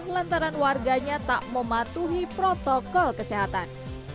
lantaran warganya tak mematuhi protokol kesehatan